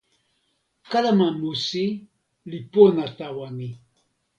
kalama musi li pona tawa mi.